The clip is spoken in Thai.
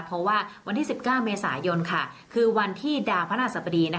เพราะว่าวันที่สิบเก้าเมษายนค่ะคือวันที่ดาวพระหัสปดีนะคะ